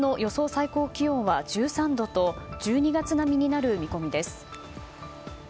最高気温は１３度と１２月並みになる見込みです。